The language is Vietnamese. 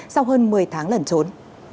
sau hơn một mươi tháng lẩn trốn